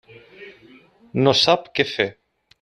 No sap què fer.